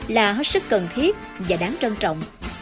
là hết sức cần thiết và đáng trân trọng